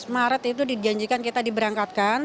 maret itu dijanjikan kita diberangkatkan